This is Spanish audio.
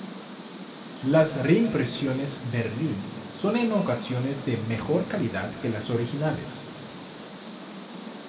Las reimpresiones Berlín son en ocasiones de mejor calidad que las originales.